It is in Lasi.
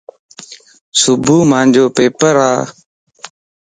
صبح مانجو پيپرا.